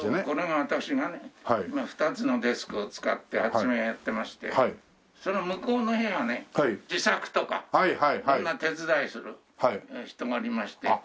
これが私がね２つのデスクを使って発明をやってましてその向こうの部屋ね自作とか色んな手伝いする人がおりまして。